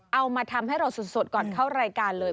เอามาทำให้เราสดก่อนเข้ารายการเลย